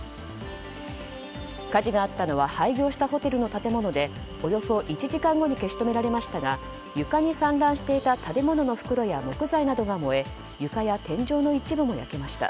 火事があったのは廃業したホテルの建物でおよそ１時間後に消し止められましたが床に散乱していた食べ物の袋や木材などが燃え床や天井の一部も焼けました。